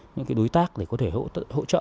những đối tác để có thể hỗ trợ